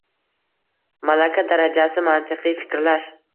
Malaka darajasi mantiqiy fikrlash